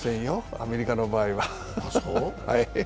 アメリカの場合は。